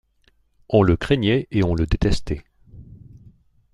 On le craignait et on le détestait.